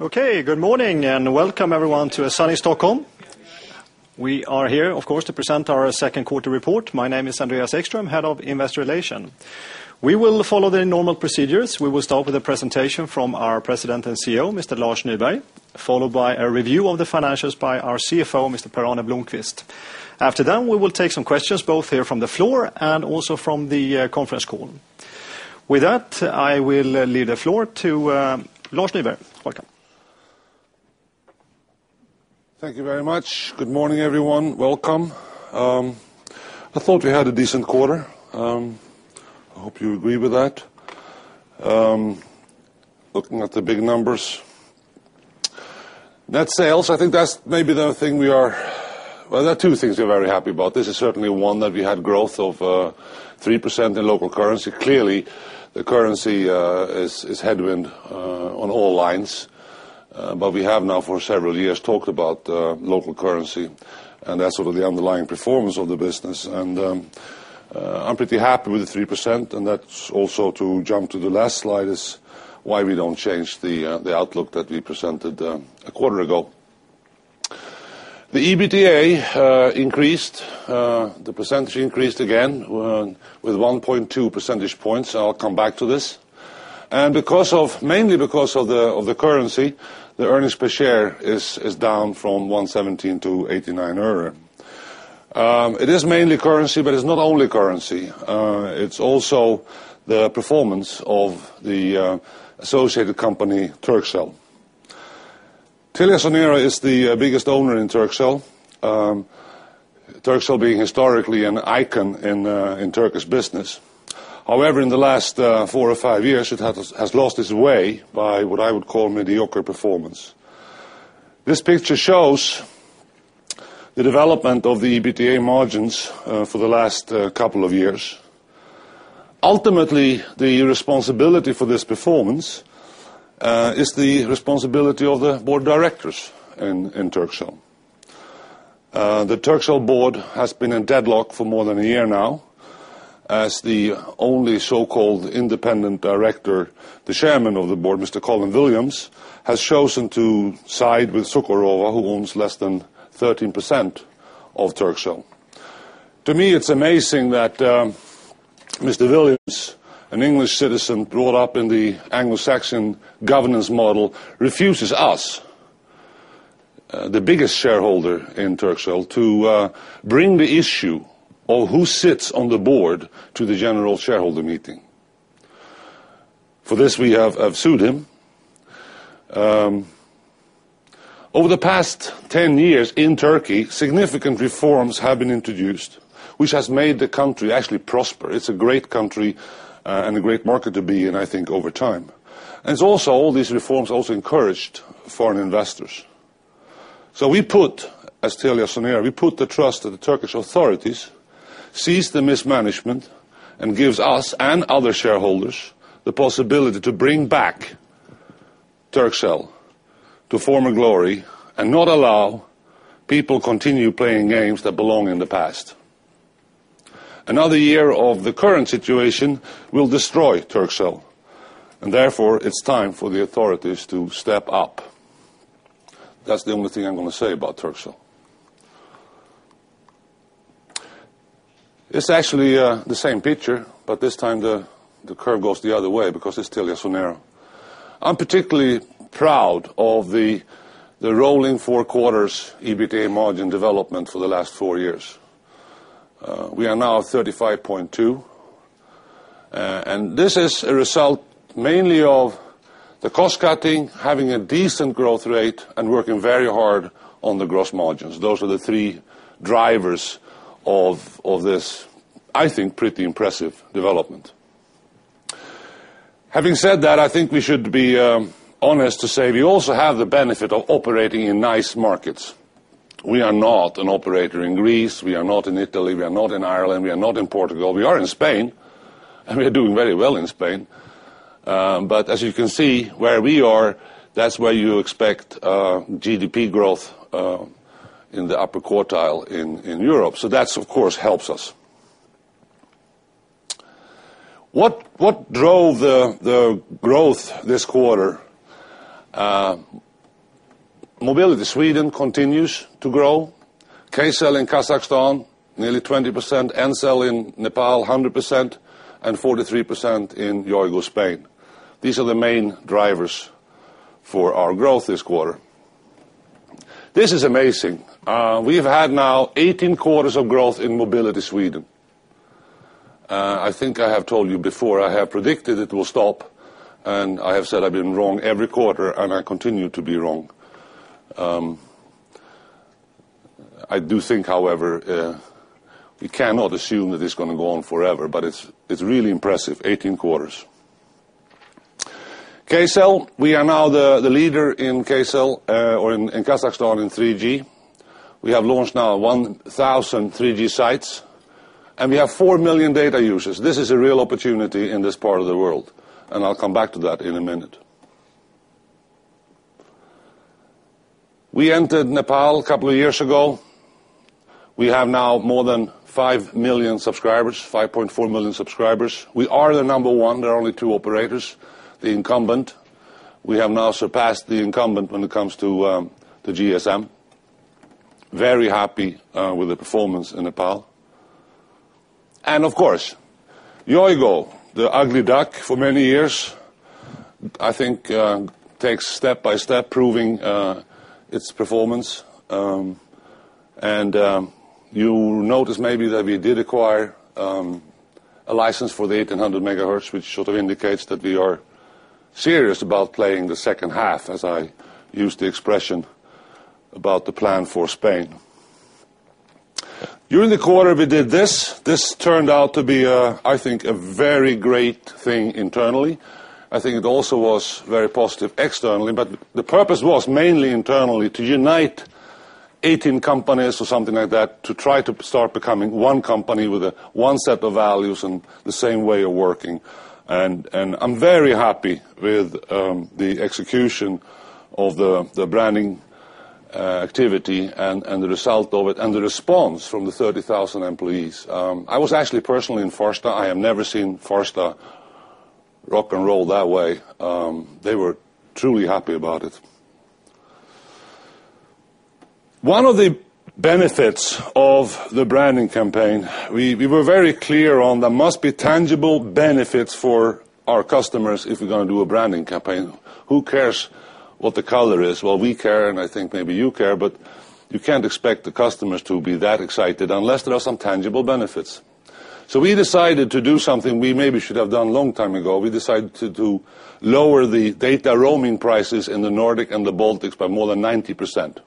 Okay, good morning and welcome everyone to a sunny Stockholm. We are here, of course, to present our second quarter report. My name is Andreas Ekström, Head of Investor Relations. We will follow the normal procedures. We will start with a presentation from our President and CEO, Mr. Lars Nyberg, followed by a review of the financials by our CFO, Mr. Per-Arne Blomquist. After that, we will take some questions, both here from the floor and also from the conference call. With that, I will leave the floor to Lars Nyberg. Welcome. Thank you very much. Good morning, everyone. Welcome. I thought we had a decent quarter. I hope you agree with that. Looking at the big numbers, net sales, I think that's maybe the thing we are... There are two things we are very happy about. This is certainly one that we had growth of 3% in local currency. Clearly, the currency is headwind on all lines. We have now for several years talked about local currency, and that's sort of the underlying performance of the business. I'm pretty happy with the 3%. That's also to jump to the last slide is why we don't change the outlook that we presented a quarter ago. The EBITDA increased. The percentage increased again with 1.2 percentage points. I'll come back to this. Mainly because of the currency, the earnings per share is down from 1.17-0.89 euro. It is mainly currency, but it's not only currency. It's also the performance of the associated company, Turkcell. Telia Company AB is the biggest owner in Turkcell. Turkcell being historically an icon in Turkish business. However, in the last four or five years, it has lost its way by what I would call mediocre performance. This picture shows the development of the EBITDA margins for the last couple of years. Ultimately, the responsibility for this performance is the responsibility of the Board of Directors in Turkcell. The Turkcell board has been in deadlock for more than a year now, as the only so-called independent director, the Chairman of the Board, Mr. Colin Williams, has chosen to side with Cukorova, who owns less than 13% of Turkcell. To me, it's amazing that Mr. Williams, an English citizen brought up in the Anglo-Saxon governance model, refuses us, the biggest shareholder in Turkcell, to bring the issue of who sits on the board to the general shareholder meeting. For this, we have sued him. Over the past 10 years in Turkey, significant reforms have been introduced, which has made the country actually prosper. It's a great country and a great market to be in, I think, over time. All these reforms also encouraged foreign investors. We put, as TeliaSenora, we put the trust of the Turkish authorities, cease the mismanagement, and give us and other shareholders the possibility to bring back Turkcell to former glory and not allow people to continue playing games that belong in the past. Another year of the current situation will destroy Turkcell. Therefore, it's time for the authorities to step up. That's the only thing I'm going to say about Turkcell. It's actually the same picture, but this time the curve goes the other way because it's TeliaSenora. I'm particularly proud of the rolling four quarters EBITDA margin development for the last four years. We are now at 35.2%. This is a result mainly of the cost cutting, having a decent growth rate, and working very hard on the gross margins. Those are the three drivers of this, I think, pretty impressive development. Having said that, I think we should be honest to say we also have the benefit of operating in nice markets. We are not an operator in Greece. We are not in Italy. We are not in Ireland. We are not in Portugal. We are in Spain, and we are doing very well in Spain. As you can see, where we are, that's where you expect GDP growth in the upper quartile in Europe. That, of course, helps us. What drove the growth this quarter? Mobility. Sweden continues to grow. Kcell in Kazakhstan, nearly 20%. Ncell in Nepal, 100%. And 43% in Yoigo, Spain. These are the main drivers for our growth this quarter. This is amazing. We have had now 18 quarters of growth in mobility Sweden. I think I have told you before, I have predicted it will stop. I have said I've been wrong every quarter, and I continue to be wrong. I do think, however, you cannot assume that it's going to go on forever. It's really impressive. 18 quarters. Kcell. We are now the leader in Kcell or in Kazakhstan in 3G. We have launched now 1,000 3G sites, and we have 4 million data users. This is a real opportunity in this part of the world. I'll come back to that in a minute. We entered Nepal a couple of years ago. We have now more than 5 million subscribers, 5.4 million subscribers. We are the number one. There are only two operators, the incumbent. We have now surpassed the incumbent when it comes to GSM. Very happy with the performance in Nepal. Of course, Yoigo, the ugly duck for many years, I think takes step by step proving its performance. You notice maybe that we did acquire a license for the 1800 MHz, which sort of indicates that we are serious about playing the second half, as I use the expression, about the plan for Spain. During the quarter, we did this. This turned out to be, I think, a very great thing internally. I think it also was very positive externally. The purpose was mainly internally to unite 18 companies or something like that to try to start becoming one company with one set of values and the same way of working. I'm very happy with the execution of the branding activity and the result of it and the response from the 30,000 employees. I was actually personally in Farsta. I have never seen Farsta rock and roll that way. They were truly happy about it. One of the benefits of the branding campaign, we were very clear on there must be tangible benefits for our customers if we're going to do a branding campaign. Who cares what the color is? We care, and I think maybe you care, but you can't expect the customers to be that excited unless there are some tangible benefits. We decided to do something we maybe should have done a long time ago. We decided to lower the data roaming prices in the Nordic and the Baltic by more than 90%.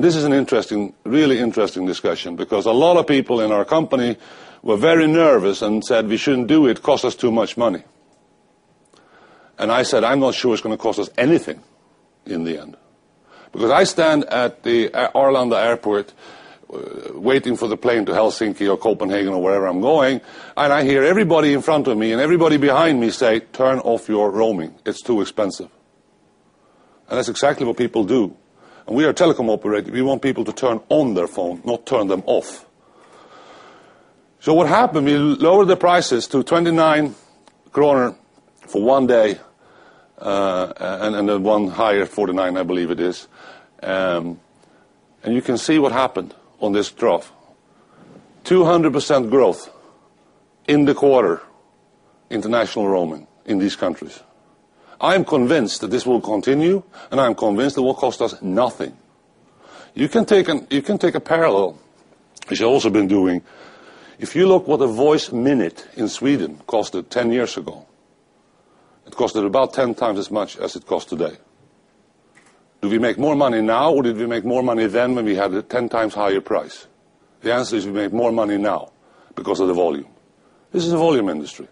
This is an interesting, really interesting discussion because a lot of people in our company were very nervous and said we shouldn't do it. It costs us too much money. I said, I'm not sure it's going to cost us anything in the end. I stand at the Arlanda Airport waiting for the plane to Helsinki or Copenhagen or wherever I'm going, and I hear everybody in front of me and everybody behind me say, turn off your roaming. It's too expensive. That's exactly what people do. We are telecom operators. We want people to turn on their phone, not turn them off. What happened, we lowered the prices to 29 kronor for one day and then one higher, 49, I believe it is. You can see what happened on this trough. 200% growth in the quarter international roaming in these countries. I am convinced that this will continue, and I'm convinced it will cost us nothing. You can take a parallel, which I've also been doing. If you look at what a voice minute in Sweden cost 10 years ago, it cost about 10x as much as it costs today. Do we make more money now, or did we make more money then when we had a 10x higher price? The answer is we make more money now because of the volume. This is a volume industry.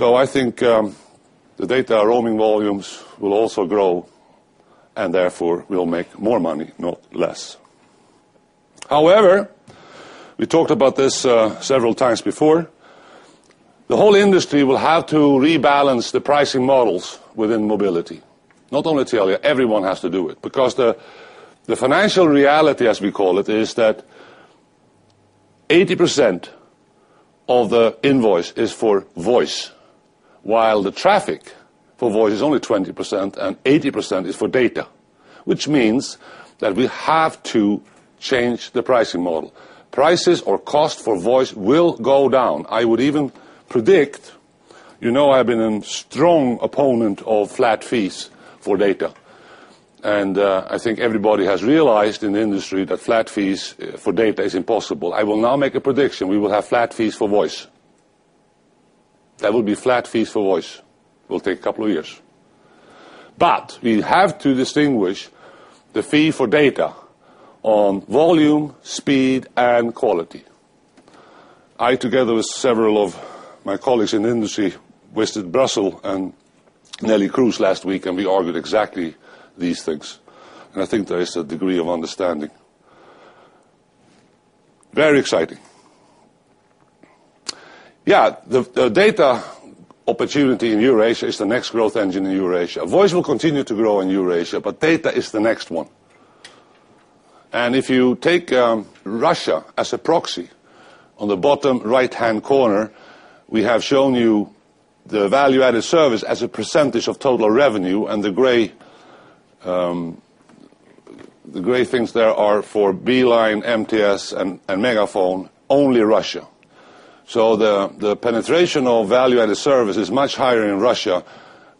I think the data roaming volumes will also grow, and therefore, we'll make more money, not less. However, we talked about this several times before. The whole industry will have to rebalance the pricing models within mobility. Not only Telia, everyone has to do it because the financial reality, as we call it, is that 80% of the invoice is for voice, while the traffic for voice is only 20%, and 80% is for data, which means that we have to change the pricing model. Prices or costs for voice will go down. I would even predict, you know, I've been a strong opponent of flat fees for data. I think everybody has realized in the industry that flat fees for data is impossible. I will now make a prediction. We will have flat fees for voice. That will be flat fees for voice. It will take a couple of years. We have to distinguish the fee for data on volume, speed, and quality. I, together with several of my colleagues in the industry, visited Brussels and Neelie Kroes last week, and we argued exactly these things. I think there is a degree of understanding. Very exciting. The data opportunity in Eurasia is the next growth engine in Eurasia. Voice will continue to grow in Eurasia, but data is the next one. If you take Russia as a proxy, on the bottom right-hand corner, we have shown you the value-added service as a percentage of total revenue, and the gray things there are for Beeline, MTS, and MegaFon, only Russia. The penetration of value-added service is much higher in Russia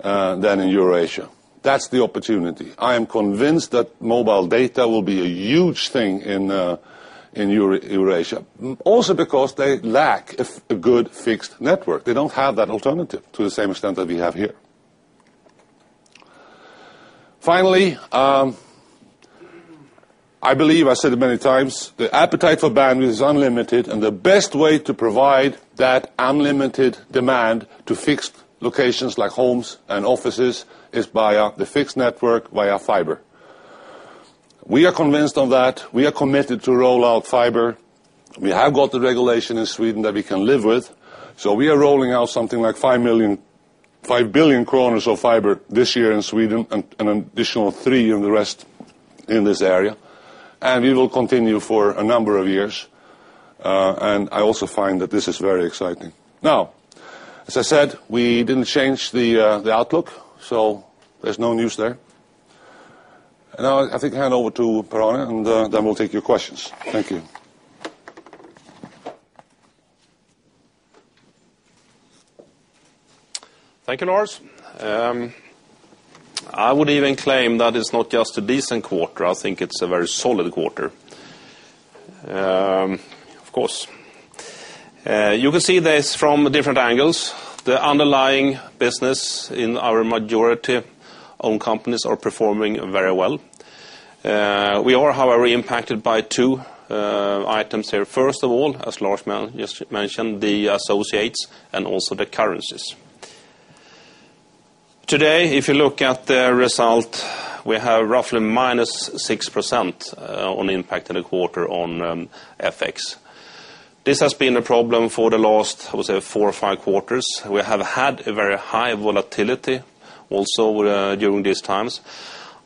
than in Eurasia. That's the opportunity. I am convinced that mobile data will be a huge thing in Eurasia, also because they lack a good-fixed network. They don't have that alternative to the same extent that we have here. Finally, I believe I said it many times, the appetite for bandwidth is unlimited, and the best way to provide that unlimited demand to fixed locations like homes and offices is via the fixed network via fiber. We are convinced of that. We are committed to roll out fiber. We have got the regulation in Sweden that we can live with. We are rolling out something like 5 billion kronor of fiber this year in Sweden and an additional 3 billion in the rest in this area. We will continue for a number of years. I also find that this is very exciting. As I said, we didn't change the outlook, so there's no news there. I think I hand over to Per-Arne, and then we'll take your questions. Thank you. Thank you, Lars. I would even claim that it's not just a decent quarter. I think it's a very solid quarter. Of course, you can see this from different angles. The underlying business in our majority-owned companies are performing very well. We are, however, impacted by two items here. First of all, as Lars just mentioned, the associates and also the currencies. Today, if you look at the result, we have roughly -6% on the impact of the quarter on FX. This has been a problem for the last, I would say, four or five quarters. We have had a very high volatility also during these times.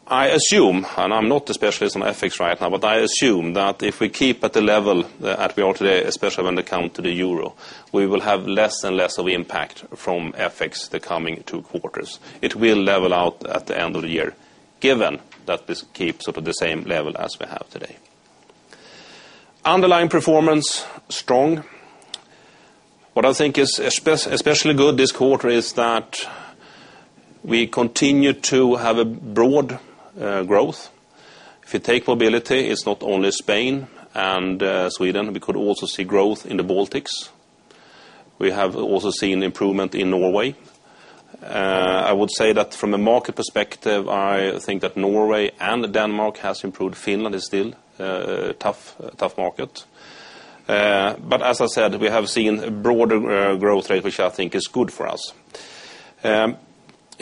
I assume, and I'm not a specialist on FX right now, but I assume that if we keep at the level that we are today, especially when it comes to the euro, we will have less and less of impact from FX the coming two quarters. It will level out at the end of the year, given that this keeps sort of the same level as we have today. Underlying performance is strong. What I think is especially good this quarter is that we continue to have a broad growth. If you take mobility, it's not only Spain and Sweden. We could also see growth in the Baltics. We have also seen improvement in Norway. I would say that from a market perspective, I think that Norway and Denmark have improved. Finland is still a tough market. As I said, we have seen a broader growth rate, which I think is good for us.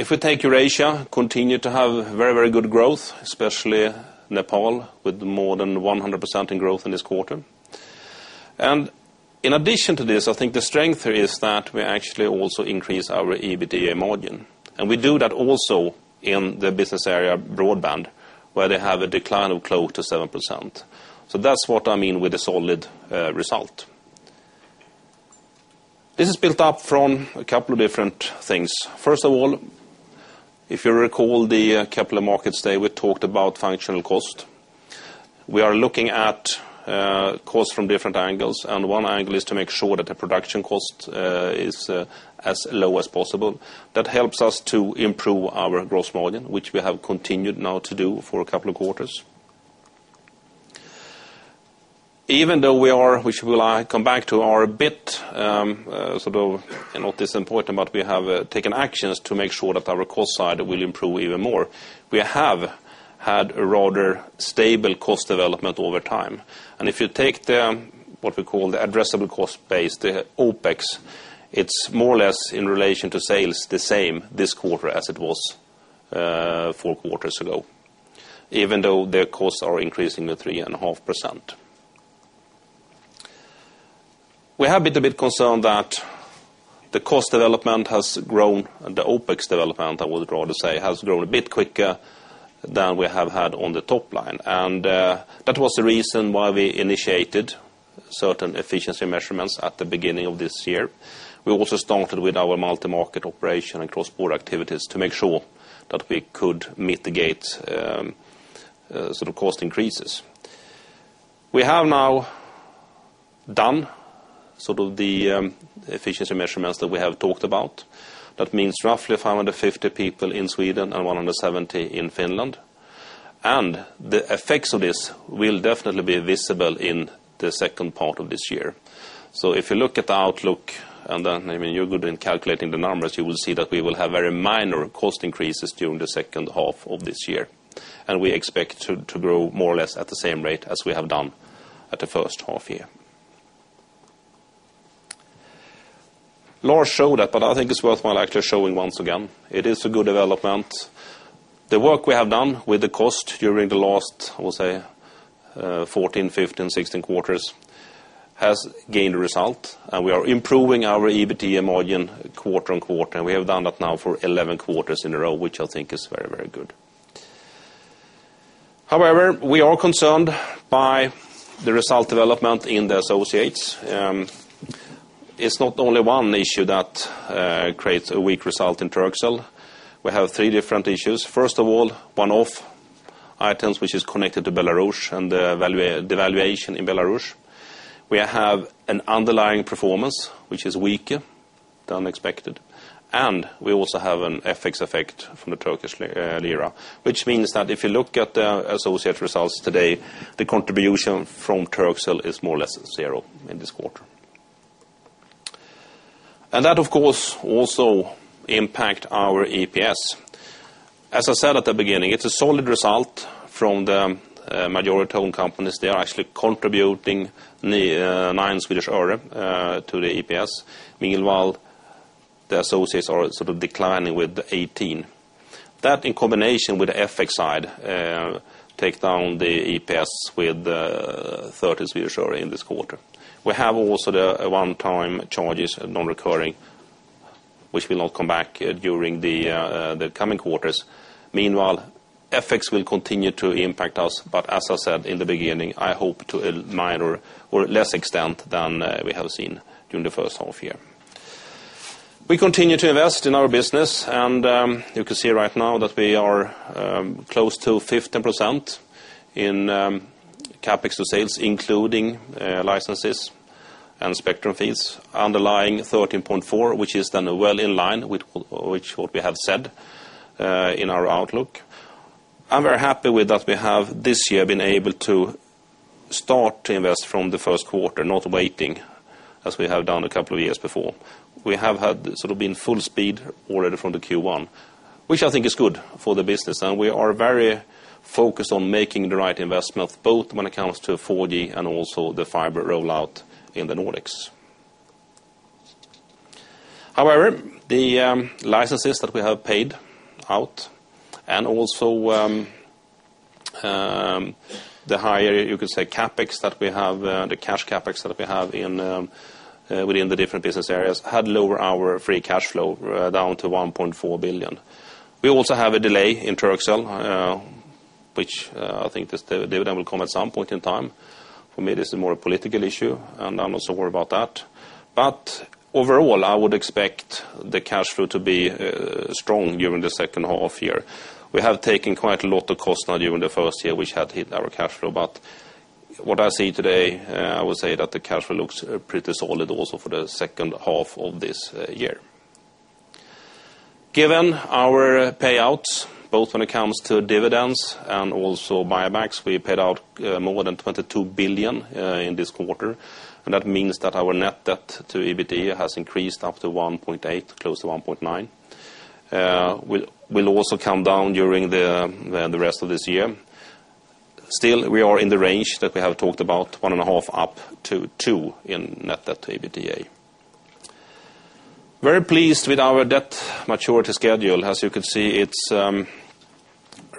If we take Eurasia, we continue to have very, very good growth, especially Nepal with more than 100% in growth in this quarter. In addition to this, I think the strength here is that we actually also increase our EBITDA margin. We do that also in the business area broadband, where they have a decline of close to 7%. That's what I mean with a solid result. This is built up from a couple of different things. First of all, if you recall the capital markets day, we talked about functional cost. We are looking at costs from different angles, and one angle is to make sure that the production cost is as low as possible. That helps us to improve our gross margin, which we have continued now to do for a couple of quarters. Even though we are, which we will come back to, are a bit sort of not disappointed, we have taken actions to make sure that our cost side will improve even more. We have had a rather stable cost development over time. If you take what we call the addressable cost base, the OpEx, it's more or less in relation to sales the same this quarter as it was four quarters ago, even though the costs are increasing at 3.5%. We have been a bit concerned that the cost development has grown, and the OpEx development, I would rather say, has grown a bit quicker than we have had on the top line. That was the reason why we initiated certain efficiency measurements at the beginning of this year. We also started with our multi-market operation and cross-border activities to make sure that we could mitigate sort of cost increases. We have now done sort of the efficiency measurements that we have talked about. That means roughly 550 people in Sweden and 170 in Finland. The effects of this will definitely be visible in the second part of this year. If you look at the outlook, and then you're good in calculating the numbers, you will see that we will have very minor cost increases during the second half of this year. We expect to grow more or less at the same rate as we have done at the first half year. Lars showed that, but I think it's worthwhile actually showing once again. It is a good development. The work we have done with the cost during the last, we'll say, 14, 15, 16 quarters has gained a result. We are improving our EBITDA margin quarter on quarter. We have done that now for 11 quarters in a row, which I think is very, very good. However, we are concerned by the result development in the associates. It's not only one issue that creates a weak result in Turkcell. We have three different issues. First of all, one-off items, which is connected to Belarus and the devaluation in Belarus. We have an underlying performance, which is weaker than expected. We also have an FX effect from the Turkish lira, which means that if you look at the associate results today, the contribution from Turkcell is more or less zero in this quarter. That, of course, also impacts our EPS. As I said at the beginning, it's a solid result from the majority-owned companies. They are actually contributing SEK 9 to the EPS. Meanwhile, the associates are sort of declining with the 18. That, in combination with the FX side, takes down the EPS with SEK 30 in this quarter. We have also the one-time charges non-recurring, which will not come back during the coming quarters. Meanwhile, FX will continue to impact us. As I said in the beginning, I hope to a minor or less extent than we have seen during the first half year. We continue to invest in our business, and you can see right now that we are close to 15% in CAPEX-to-sales, including licenses and spectrum fees, underlying 13.4%, which is then well in line with what we have said in our outlook. I'm very happy that we have this year been able to start to invest from the first quarter, not waiting as we have done a couple of years before. We have been full speed already from Q1, which I think is good for the business. We are very focused on making the right investments, both when it comes to 4G and also the fiber rollout in the Nordics. However, the licenses that we have paid out and also the higher CapEx that we have, the cash CapEx that we have within the different business areas, had lowered our free cash flow down to 1.4 billion. We also have a delay in Turkcell, which I think the dividend will come at some point in time. For me, this is more a political issue, and I'm not so worried about that. Overall, I would expect the cash flow to be strong during the second half year. We have taken quite a lot of costs now during the first year, which had hit our cash flow. What I see today, I would say that the cash flow looks pretty solid also for the second half of this year. Given our payouts, both when it comes to dividends and also buybacks, we paid out more than 22 billion in this quarter. That means that our net debt to EBITDA has increased up to 1.8x, close to 1.9x. It will also come down during the rest of this year. Still, we are in the range that we have talked about, 1.5x up to 2x in net debt to EBITDA. Very pleased with our debt maturity schedule. As you can see, it's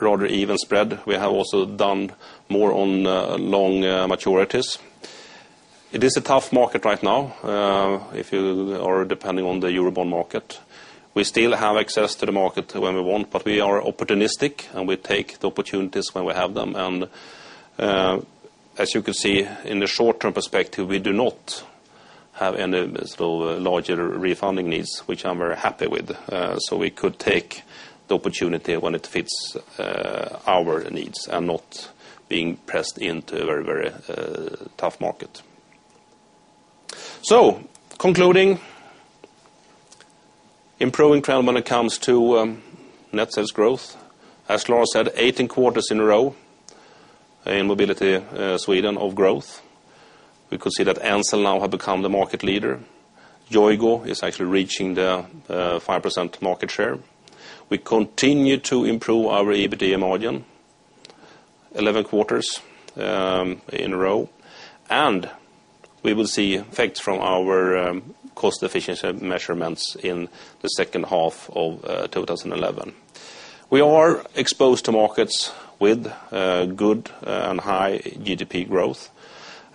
rather evenly spread. We have also done more on long maturities. It is a tough market right now if you are depending on the Eurobond market. We still have access to the market when we want, but we are opportunistic, and we take the opportunities when we have them. As you can see, in the short-term perspective, we do not have any larger refunding needs, which I'm very happy with. We could take the opportunity when it fits our needs and not be pressed into a very, very tough market. Concluding, improving trend when it comes to net sales growth. As Lars said, 18 quarters in a row in mobility Sweden of growth. We could see that Ncell now has become the market leader. Yoigo is actually reaching the 5% market share. We continue to improve our EBITDA margin 11 quarters in a row. We will see effects from our cost efficiency measurements in the second half of 2011. We are exposed to markets with good and high GDP growth.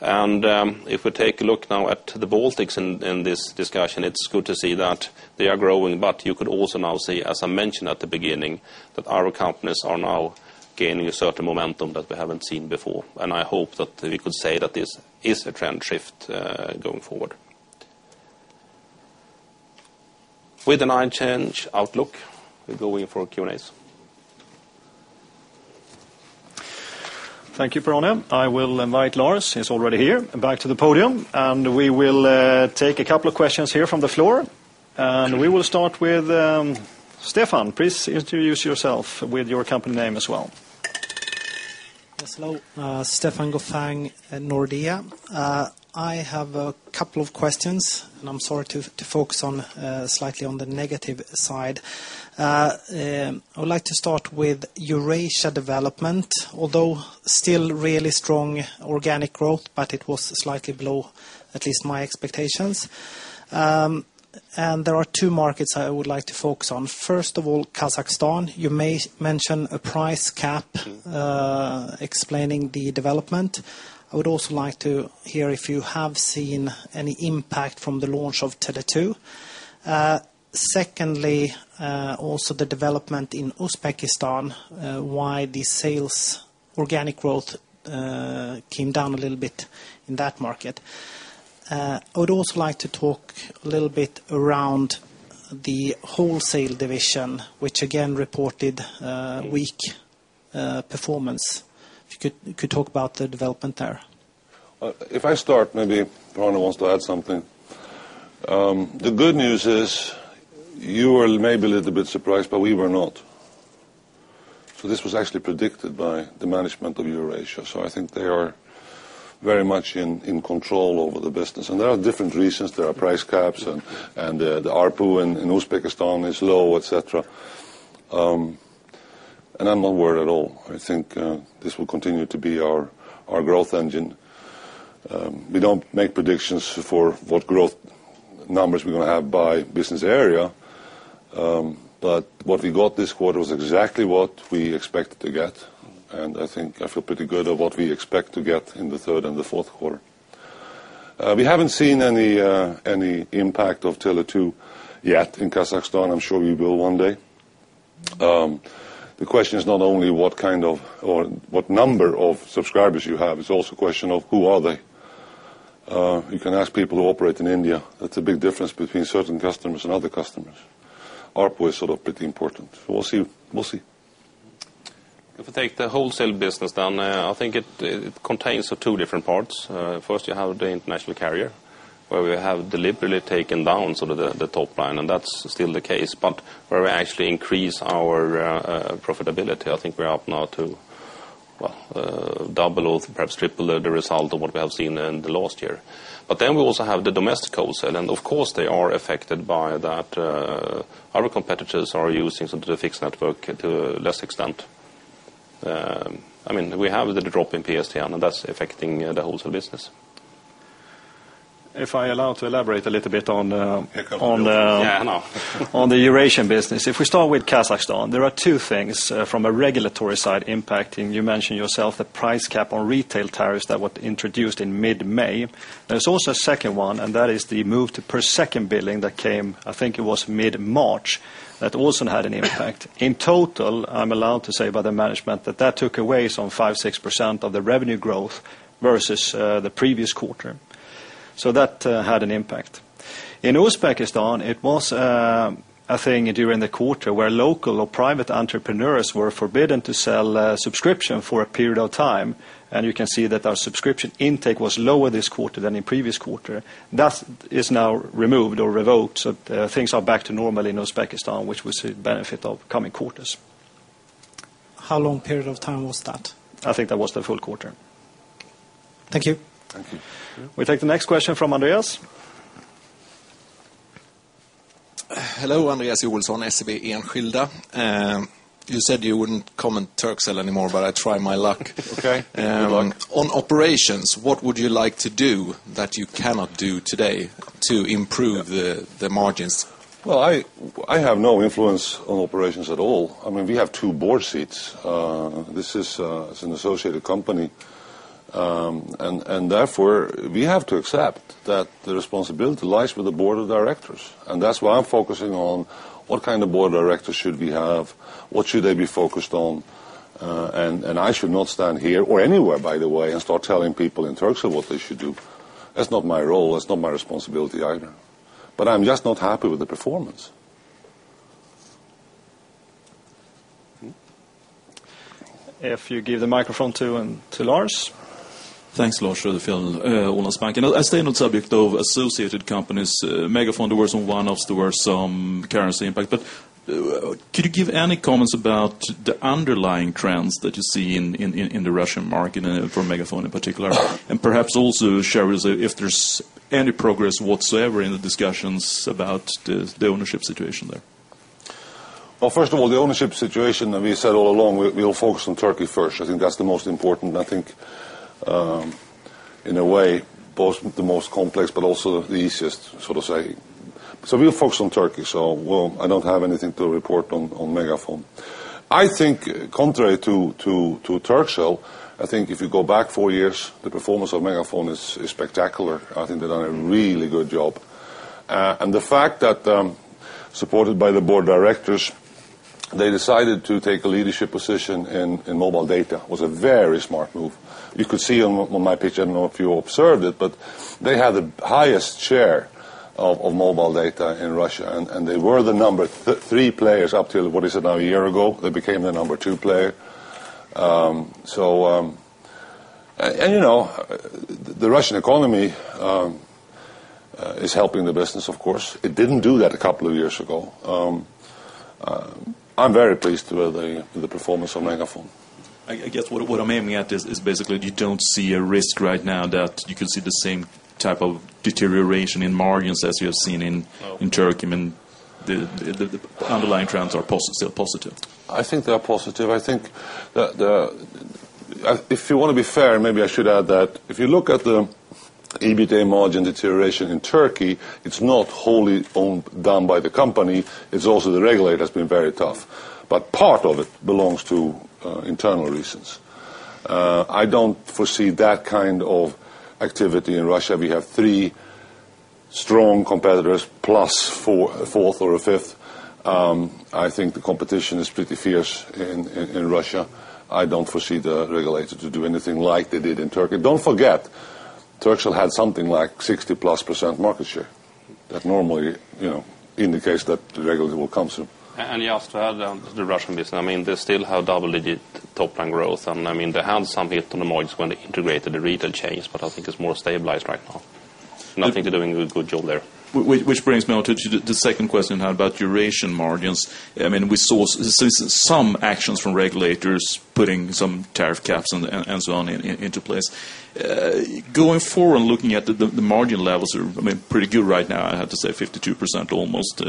If we take a look now at the Baltic in this discussion, it's good to see that they are growing. You could also now see, as I mentioned at the beginning, that our companies are now gaining a certain momentum that we haven't seen before. I hope that we could say that this is a trend shift going forward. With the nine change outlook, we're going for Q&As. Thank you, Per-Arne. I will invite Lars. He's already here. Back to the podium. We will take a couple of questions here from the floor. We will start with Stefan. Please introduce yourself with your company name as well. Yes, hello. Stefan Gauffin at Nordea. I have a couple of questions. I'm sorry to focus slightly on the negative side. I would like to start with Eurasia development, although still really strong organic growth, but it was slightly below at least my expectations. There are two markets I would like to focus on. First of all, Kazakhstan. You mentioned a price cap explaining the development. I would also like to hear if you have seen any impact from the launch of Tele2. Secondly, also the development in Uzbekistan, why the sales organic growth came down a little bit in that market. I would also like to talk a little bit around the wholesale division, which again reported weak performance. If you could talk about the development there. If I start, maybe Per-Arne wants to add something. The good news is you were maybe a little bit surprised, but we were not. This was actually predicted by the management of Eurasia. I think they are very much in control over the business. There are different reasons. There are price caps, and the ARPU in Uzbekistan is low, et cetera. I'm not worried at all. I think this will continue to be our growth engine. We don't make predictions for what growth numbers we're going to have by business area. What we got this quarter was exactly what we expected to get. I think I feel pretty good about what we expect to get in the third and the fourth quarter. We haven't seen any impact of Tele2 yet in Kazakhstan. I'm sure we will one day. The question is not only what kind of or what number of subscribers you have. It's also a question of who are they. You can ask people who operate in India. That's a big difference between certain customers and other customers. ARPU is sort of pretty important. We'll see. If I take the wholesale business, then I think it contains two different parts. First, you have the international carrier, where we have deliberately taken down sort of the top line. That's still the case, but where we actually increase our profitability. I think we're up now to double or perhaps triple the result of what we have seen in the last year. We also have the domestic wholesale, and of course, they are affected by that. Our competitors are using the fixed network to a less extent. I mean, we have the drop in PSDN, and that's affecting the wholesale business. If I allow to elaborate a little bit on the Eurasian business. If we start with Kazakhstan, there are two things from a regulatory side impacting. You mentioned yourself the price cap on retail tariffs that were introduced in mid-May. There's also a second one, and that is the move to per second billing that came, I think it was mid-March, that also had an impact. In total, I'm allowed to say by the management that that took away some 5%, 6% of the revenue growth versus the previous quarter. That had an impact. In Uzbekistan, it was a thing during the quarter where local or private entrepreneurs were forbidden to sell a subscription for a period of time. You can see that our subscription intake was lower this quarter than in the previous quarter. That is now removed or revoked. Things are back to normal in Uzbekistan, which we see the benefit of coming quarters. How long a period of time was that? I think that was the full quarter. Thank you. Thank you. We take the next question from Andreas. Hello, Andreas Joelsson, SEB Enksilda. You said you wouldn't comment Turkcell anymore, but I try my luck. OK. On operations, what would you like to do that you cannot do today to improve the margins? I have no influence on operations at all. I mean, we have two board seats. This is an associated company. Therefore, we have to accept that the responsibility lies with the board of directors. That's why I'm focusing on what kind of board of directors should we have, what should they be focused on. I should not stand here or anywhere, by the way, and start telling people in Turkcell what they should do. That's not my role. That's not my responsibility either. I'm just not happy with the performance. If you give the microphone to Lars. Thanks, [Lars. Rutherfield, Olaf's Bank]. I stay on the subject of associated companies. MegaFon, there were some one-offs. There were some currency impact. Could you give any comments about the underlying trends that you see in the Russian market for MegaFon in particular? Perhaps also share with us if there's any progress whatsoever in the discussions about the ownership situation there. First of all, the ownership situation that we said all along, we'll focus on Turkey first. I think that's the most important. I think, in a way, both the most complex but also the easiest, so to say. We'll focus on Turkey. I don't have anything to report on MegaFon. I think, contrary to Turkcell, I think if you go back four years, the performance of MegaFon is spectacular. I think they've done a really good job. The fact that, supported by the board of directors, they decided to take a leadership position in mobile data was a very smart move. You could see on my picture, I don't know if you observed it, but they had the highest share of mobile data in Russia. They were the number three players up to, what is it now, a year ago? They became the number two player. You know, the Russian economy is helping the business, of course. It didn't do that a couple of years ago. I'm very pleased with the performance of MegaFon. I guess what I'm aiming at is basically you don't see a risk right now that you can see the same type of deterioration in margins as we have seen in Turkey. I mean, the underlying trends are still positive. I think they are positive. I think if you want to be fair, and maybe I should add that, if you look at the EBITDA margin deterioration in Turkey, it's not wholly done by the company. It's also the regulator has been very tough. Part of it belongs to internal reasons. I don't foresee that kind of activity in Russia. We have three strong competitors, plus a fourth or a fifth. I think the competition is pretty fierce in Russia. I don't foresee the regulator to do anything like they did in Turkey. Don't forget, Turkcell had something like 60%+ market share. That normally, you know, indicates that the regulator will come through. You asked about the Russian business. They still have double-digit top-line growth. They had some hit on the margins when they integrated the retail chains, but I think it's more stabilized right now. I think they're doing a good job there. Which brings me on to the second question. How about Eurasian margins? I mean, we saw some actions from regulators putting some tariff caps and so on into place. Going forward and looking at the margin levels are pretty good right now. I have to say 52% almost.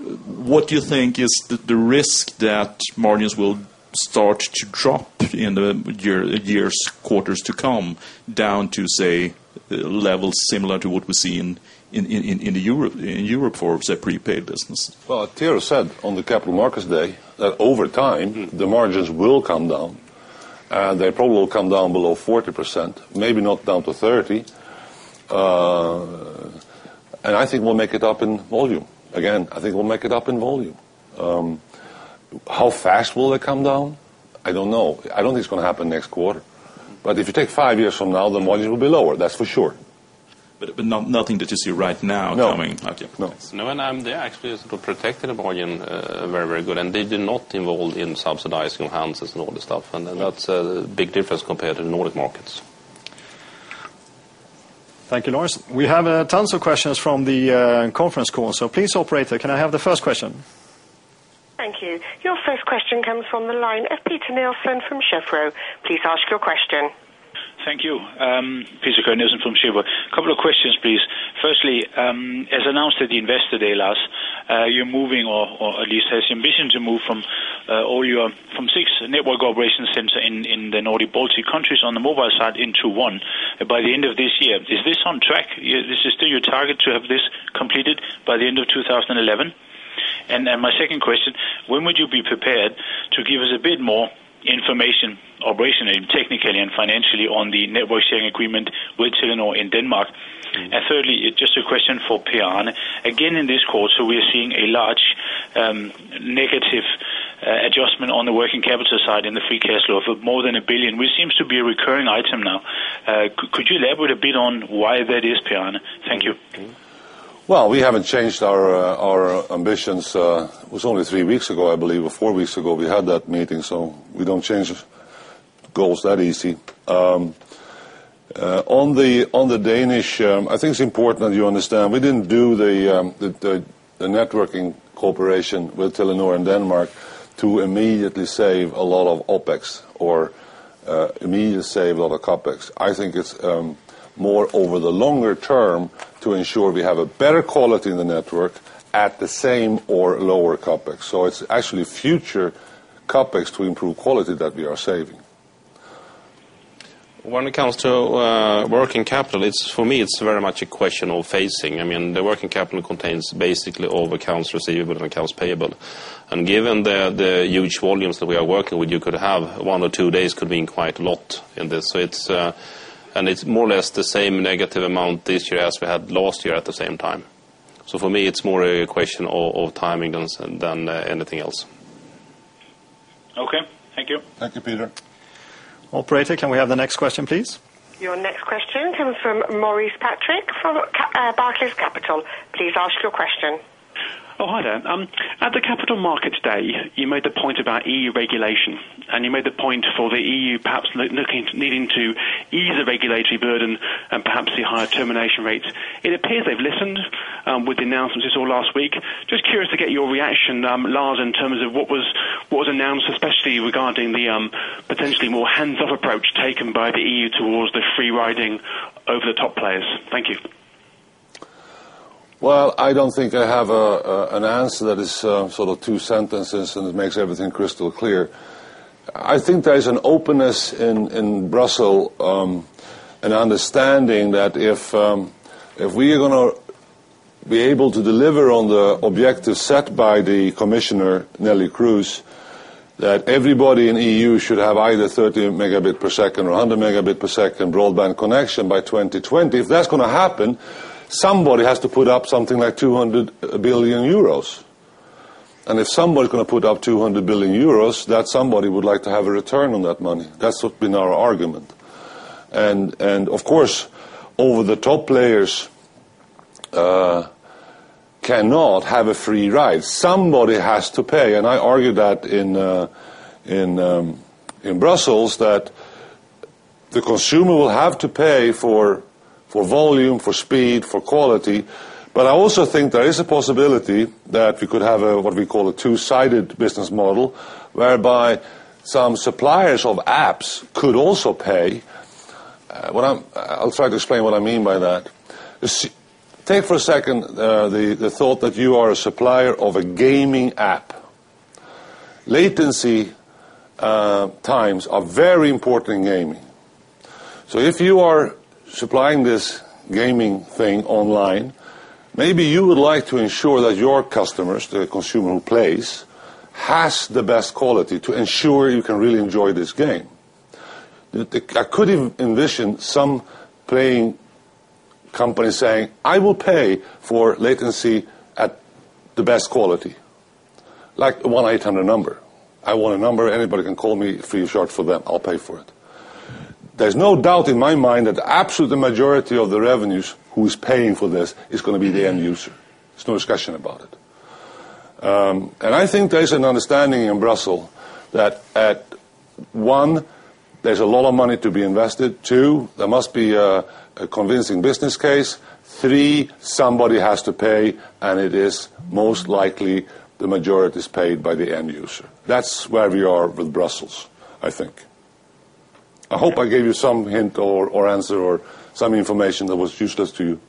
What do you think is the risk that margins will start to drop in the years, quarters to come down to, say, levels similar to what we see in Europe for, say, prepaid business? Tera said on the Capital Markets Day that over time, the margins will come down. They probably will come down below 40%, maybe not down to 30%. I think we'll make it up in volume. Again, I think we'll make it up in volume. How fast will they come down? I don't know. I don't think it's going to happen next quarter. If you take five years from now, the margin will be lower. That's for sure. Nothing that you see right now coming up. No. Yeah, actually, they protected the margin very, very good. They did not involve in subsidizing handsets and all this stuff. That's a big difference compared to the Nordic markets. Thank you, Lars. We have tons of questions from the conference call. Please, operator, can I have the first question? Thank you. Your first question comes from the line of Peter Nielsen from Cheuvreux. Please ask your question. Thank you. Peter Nielsen from Cheuvreux. A couple of questions, please. Firstly, as announced at the Investor Day last, you're moving, or at least have the ambition to move from all your six network operation centers in the Nordic and Baltic countries on the mobile side into one by the end of this year. Is this on track? Is this still your target to have this completed by the end of 2011? My second question, when would you be prepared to give us a bit more information operationally, technically, and financially on the network sharing agreement with Telenor in Denmark? Thirdly, just a question for Per-Arne. Again, in this quarter, we are seeing a large negative adjustment on the working capital side in the free cash flow of more than 1 billion, which seems to be a recurring item now. Could you elaborate a bit on why that is, Per-Arne? Thank you. We haven't changed our ambitions. It was only three weeks ago, I believe, or four weeks ago. We had that meeting, so we don't change goals that easy. On the Danish, I think it's important that you understand we didn't do the networking cooperation with Telenor in Denmark to immediately save a lot of OpEx or immediately save a lot of CapEx. I think it's more over the longer term to ensure we have a better quality in the network at the same or lower CapEx. It's actually future CapEx to improve quality that we are saving. When it comes to working capital, for me, it's very much a question all facing. I mean, the working capital contains basically all the accounts receivable and accounts payable. Given the huge volumes that we are working with, you could have one or two days could mean quite a lot in this. It's more or less the same negative amount this year as we had last year at the same time. For me, it's more a question of timing than anything else. OK. Thank you. Thank you, Peter. Operator, can we have the next question, please? Your next question comes from Maurice Patrick from Barclays Capital. Please ask your question. Hi there. At the Capital Markets Day, you made the point about E.U. regulation. You made the point for the E.U. perhaps needing to ease the regulatory burden and perhaps see higher termination rates. It appears they've listened with the announcements this all last week. Just curious to get your reaction, Lars, in terms of what was announced, especially regarding the potentially more hands-off approach taken by the E.U. towards the free-riding over-the-top players. Thank you. I don't think I have an answer that is sort of two sentences, and it makes everything crystal clear. I think there is an openness in Brussels and understanding that if we are going to be able to deliver on the objectives set by the Commissioner, Neelie Kroes, that everybody in the EU should have either 30 Mbps or 100 Mbps broadband connection by 2020. If that's going to happen, somebody has to put up something like 200 billion euros. If somebody is going to put up 200 billion euros, that somebody would like to have a return on that money. That's been our argument. Of course, over-the-top players cannot have a free ride. Somebody has to pay. I argue that in Brussels that the consumer will have to pay for volume, for speed, for quality. I also think there is a possibility that we could have what we call a two-sided business model whereby some suppliers of apps could also pay. I'll try to explain what I mean by that. Take for a second the thought that you are a supplier of a gaming app. Latency times are very important in gaming. If you are supplying this gaming thing online, maybe you would like to ensure that your customers, the consumer who plays, has the best quality to ensure you can really enjoy this game. I could envision some gaming company saying, I will pay for latency at the best quality, like the one to 800 number. I want a number. Anybody can call me, free shot for them. I'll pay for it. There's no doubt in my mind that the absolute majority of the revenues who is paying for this is going to be the end user. There's no discussion about it. I think there is an understanding in Brussels that at one, there's a lot of money to be invested. Two, there must be a convincing business case. Three, somebody has to pay, and it is most likely the majority is paid by the end user. That's where we are with Brussels, I think. I hope I gave you some hint or answer or some information that was useful to you.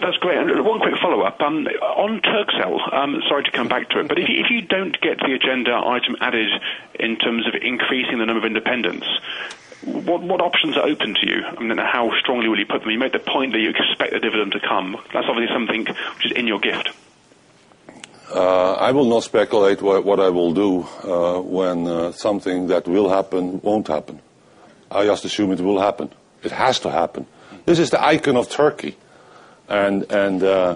That's great. One quick follow-up. On Turkcell, sorry to come back to it, but if you don't get the agenda item added in terms of increasing the number of independents, what options are open to you? How strongly will you put them? You made the point that you expect the dividend to come. That's obviously something which is in your gift. I will not speculate what I will do when something that will happen won't happen. I just assume it will happen. It has to happen. This is the icon of Turkey. It's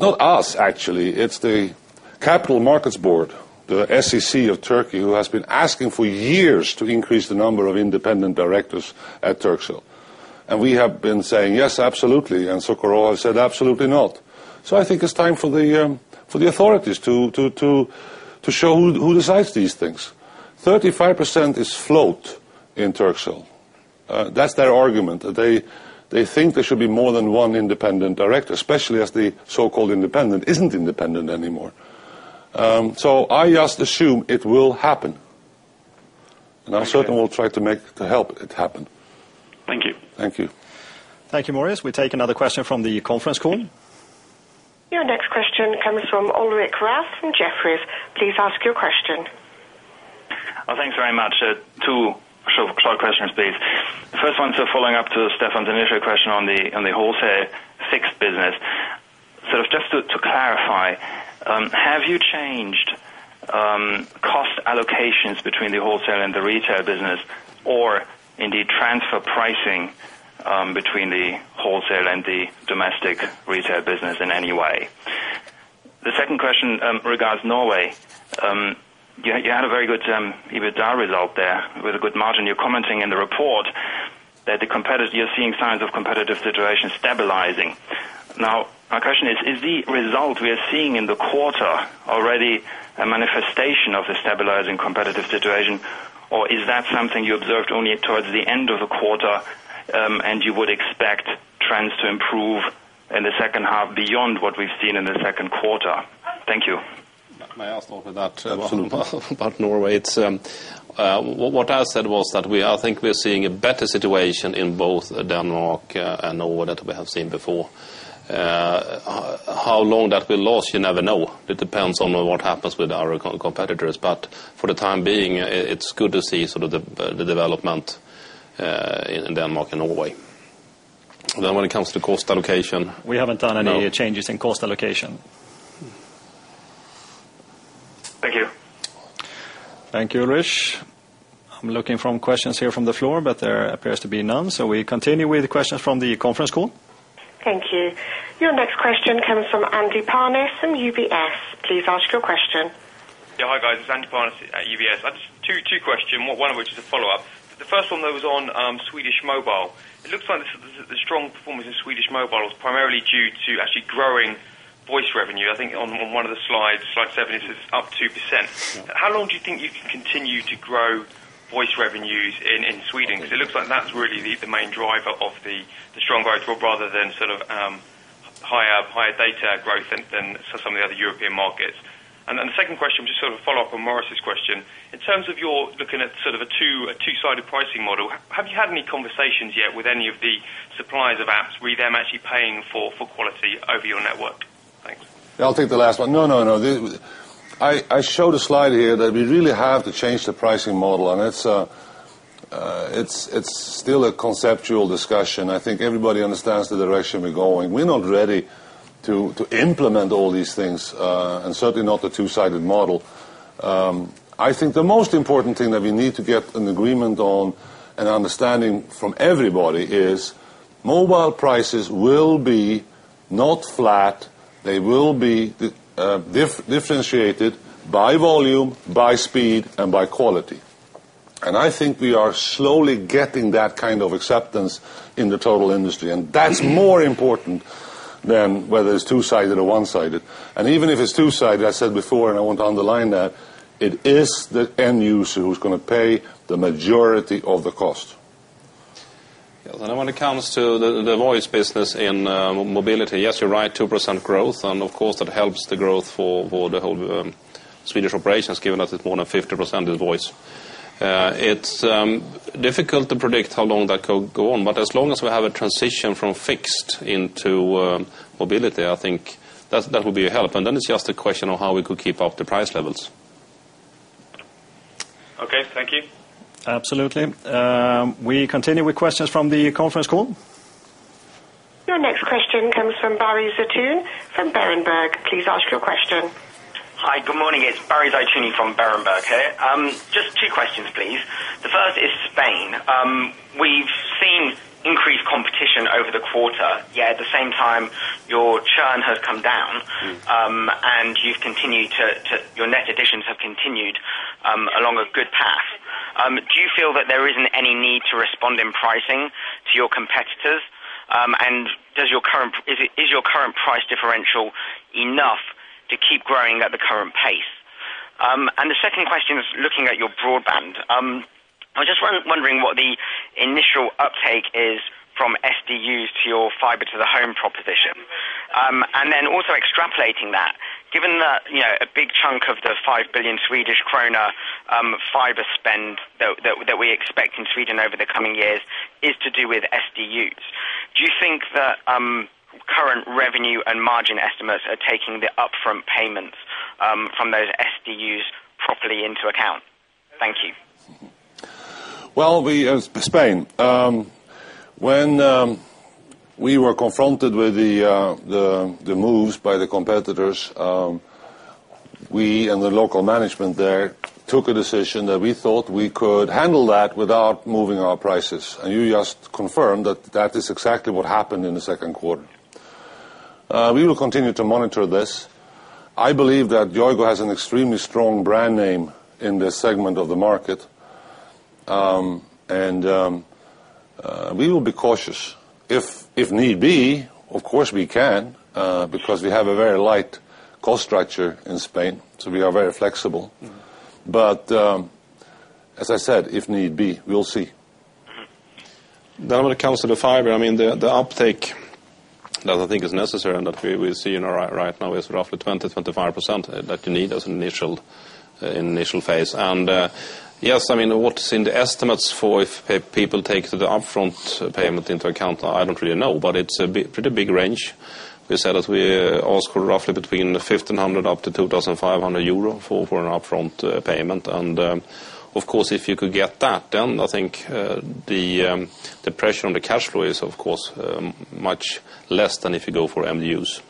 not us, actually. It's the Capital Markets Board, the SEC of Turkey, who has been asking for years to increase the number of independent directors at Turkcell. We have been saying, yes, absolutely. Cukurova said, absolutely not. I think it's time for the authorities to show who decides these things. 35% is float in Turkcell. That's their argument. They think there should be more than one independent director, especially as the so-called independent isn't independent anymore. I just assume it will happen. I certainly will try to help it happen. Thank you. Thank you. Thank you, Maurice. We take another question from the conference call. Your next question comes from Ulrich Rathe from Jefferies. Please ask your question. Thanks very much. Two short questions, please. First one, following up to Stefan's initial question on the wholesale fixed business. Just to clarify, have you changed cost allocations between the wholesale and the retail business, or transfer pricing between the wholesale and the domestic retail business in any way? The second question regards Norway. You had a very good EBITDA result there with a good margin. You're commenting in the report that you're seeing signs of the competitive situation stabilizing. My question is, is the result we are seeing in the quarter already a manifestation of a stabilizing competitive situation, or is that something you observed only towards the end of the quarter and you would expect trends to improve in the second half beyond what we've seen in the second quarter? Thank you. May I ask for that? Absolutely. About Norway, what I said was that I think we're seeing a better situation in both Denmark and Norway than we have seen before. How long that will last, you never know. It depends on what happens with our competitors. For the time being, it's good to see sort of the development in Denmark and Norway. Then when it comes to cost allocation. We haven't done any changes in cost allocation. Thank you. Thank you, Ulrich. I'm looking for questions here from the floor, but there appears to be none. We continue with the questions from the conference call. Thank you. Your next question comes from [Andy Parness] from UBS. Please ask your question. Yeah, hi guys. It's [Andy Parness] at UBS. I have two questions, one of which is a follow-up. The first one was on Swedish Mobile. It looks like the strong performance of Swedish Mobile was primarily due to actually growing voice revenue. I think on one of the slides, slide seven, it's up 2%. How long do you think you can continue to grow voice revenues in Sweden? It looks like that's really the main driver of the strong growth rather than sort of higher data growth than some of the other European markets. The second question, just sort of a follow-up on Maurice's question. In terms of looking at sort of a two-sided pricing model, have you had any conversations yet with any of the suppliers of apps? Were you them actually paying for quality over your network? Thanks. I'll take the last one. I showed a slide here that we really have to change the pricing model. It's still a conceptual discussion. I think everybody understands the direction we're going. We're not ready to implement all these things and certainly not the two-sided model. I think the most important thing that we need to get an agreement on and understanding from everybody is mobile prices will be not flat. They will be differentiated by volume, by speed, and by quality. I think we are slowly getting that kind of acceptance in the total industry. That's more important than whether it's two-sided or one-sided. Even if it's two-sided, I said before, and I want to underline that, it is the end user who's going to pay the majority of the cost. Yeah, when it comes to the voice business in mobility, yes, you're right, 2% growth. Of course, that helps the growth for the whole Swedish operations, given that it's more than 50% of voice. It's difficult to predict how long that could go on. As long as we have a transition from fixed into mobility, I think that would be a help. It's just a question of how we could keep up the price levels. OK, thank you. Absolutely. We continue with questions from the conference call. Your next question comes from Barry Zeitoune from Berenberg. Please ask your question. Hi, good morning. It's Barry Zeitoune from Berenberg here. Just two questions, please. The first is Spain. We've seen increased competition over the quarter, yet at the same time, your churn has come down. Your net additions have continued along a good path. Do you feel that there isn't any need to respond in pricing to your competitors? Is your current price differential enough to keep growing at the current pace? The second question is looking at your broadband. I was just wondering what the initial uptake is from SDUs to your fiber-to-the-home proposition. Also, extrapolating that, given that a big chunk of the 5 billion Swedish krona fiber spend that we expect in Sweden over the coming years is to do with SDUs, do you think that current revenue and margin estimates are taking the upfront payments from those SDUs properly into account? Thank you. In Spain, when we were confronted with the moves by the competitors, we and the local management there took a decision that we thought we could handle that without moving our prices. You just confirmed that that is exactly what happened in the second quarter. We will continue to monitor this. I believe that Yoigo has an extremely strong brand name in this segment of the market, and we will be cautious. If need be, of course we can, because we have a very light cost structure in Spain, so we are very flexible. As I said, if need be, we'll see. When it comes to the fiber, the uptake that I think is necessary, and that we see right now, is roughly 20%-25% that you need as an initial phase. What's in the estimates for if people take the upfront payment into account, I don't really know. It's a pretty big range. We said that we asked for roughly between 1,500 up to 2,500 euro for an upfront payment. Of course, if you could get that, then I think the pressure on the cash flow is, of course, much less than if you go for MDUs.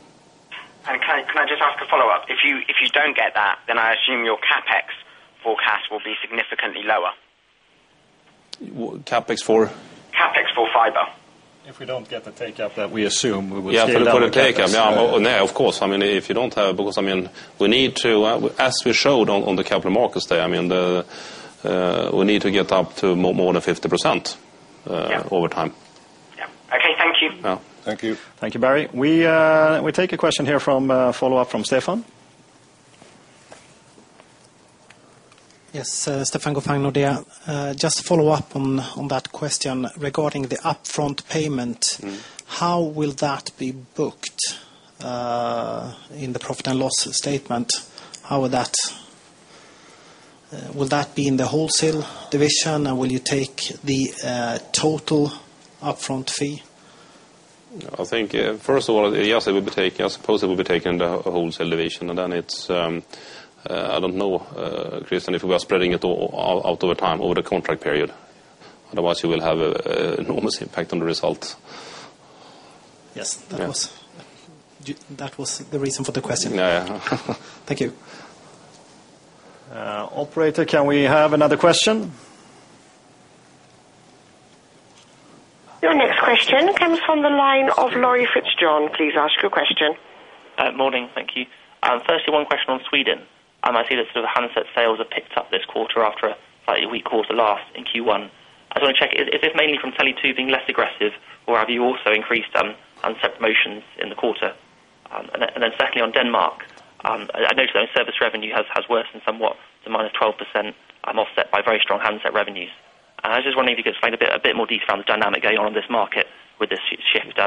Can I just ask a follow-up? If you don't get that, then I assume your CapEx forecast will be significantly lower. CapEx for? CapEx for fiber. If we don't get the take-up that we assume, we would still. Yeah, for the take-up. Yeah, of course. I mean, if you don't have, because, I mean, we need to, as we showed on the Capital Markets Day, we need to get up to more than 50% over time. OK, thank you. Thank you. Thank you, Barry. We take a question here from a follow-up from Stefan. Yes, Stefan Gauffin, Nordea. Just a follow-up on that question regarding the upfront payment. How will that be booked in the profit and loss statement? Will that be in the wholesale division? Will you take the total upfront fee? I think, first of all, yes, it will be taken. I suppose it will be taken in the wholesale division. I don't know, [Kristen], if we are spreading it out over time, over the contract period. Otherwise, you will have an enormous impact on the results. Yes, that was the reason for the question. Yeah, yeah. Thank you. Operator, can we have another question? Your next question comes from the line of [Laurie Fitzjaune]. Please ask your question. Morning. Thank you. Firstly, one question on Sweden. I see that sort of the handset sales have picked up this quarter after a slightly weak quarter last in Q1. I just want to check if it's mainly from Tele2 being less aggressive, or have you also increased handset promotions in the quarter? Secondly, on Denmark, I noticed that service revenue has worsened somewhat to -12% offset by very strong handset revenues. I was just wondering if you could explain a bit more detail on the dynamic going on in this market with this shift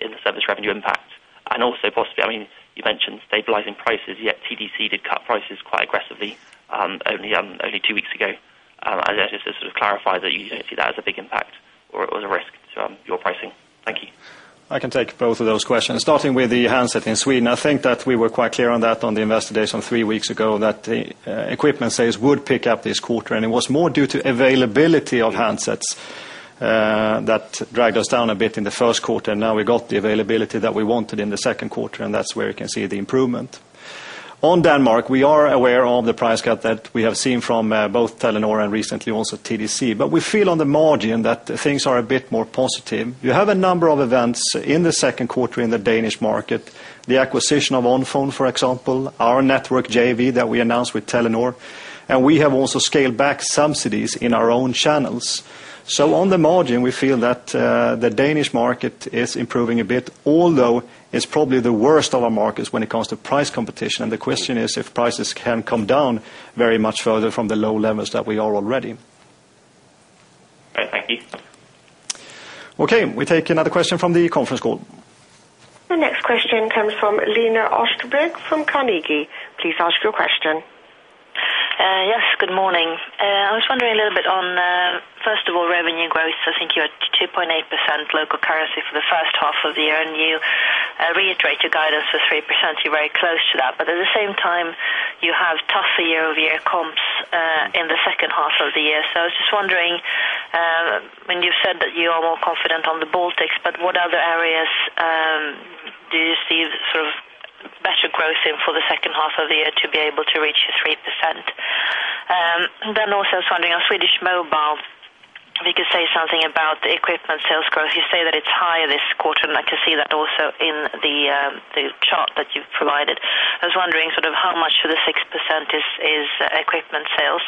in the service revenue impact. Also, I mean, you mentioned stabilizing prices, yet TDC did cut prices quite aggressively only two weeks ago. I just sort of clarify that you didn't see that as a big impact or a risk to your pricing. Thank you. I can take both of those questions. Starting with the handset in Sweden, I think that we were quite clear on that on the investigation three weeks ago that the equipment sales would pick up this quarter. It was more due to availability of handsets that dragged us down a bit in the first quarter. Now we got the availability that we wanted in the second quarter, and that's where you can see the improvement. On Denmark, we are aware of the price cut that we have seen from both Telenor and recently also TDC. We feel on the margin that things are a bit more positive. You have a number of events in the second quarter in the Danish market, the acquisition of Onfone, for example, our network JV that we announced with Telenor. We have also scaled back subsidies in our own channels. On the margin, we feel that the Danish market is improving a bit, although it's probably the worst of our markets when it comes to price competition. The question is if prices can come down very much further from the low levels that we are already. Great. Thank you. OK. We take another question from the conference call. The next question comes from Lena Österberg from Carnegie. Please ask your question. Yes, good morning. I was wondering a little bit on, first of all, revenue growth. I think you're at 2.8% local currency for the first half of the year. You reiterate your guidance for 3%. You're very close to that. At the same time, you have tougher year-over-year comps in the second half of the year. I was just wondering, when you said that you are more confident on the Baltics, what other areas do you see sort of better growth in for the second half of the year to be able to reach your 3%? I was also wondering, on Swedish Mobile, if you could say something about the equipment sales growth. You say that it's higher this quarter, and I can see that also in the chart that you've provided. I was wondering sort of how much of the 6% is equipment sales.